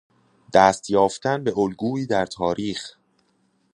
دست یافتن به الگویی در تاریخ